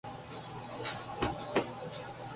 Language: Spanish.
Fue director literario y dibujante de "El Padre Adam".